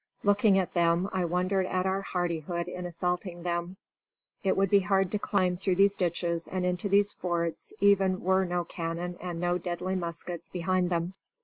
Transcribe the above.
Looking at them, I wonder at our hardihood in assaulting them. It would be hard to climb through these ditches and into these forts even were no cannon and no deadly muskets behind them.